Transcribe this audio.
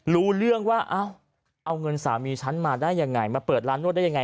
รู้เรื่องว่าเอาเงินสามีฉันมาได้ยังไงมาเปิดร้านนวดได้ยังไง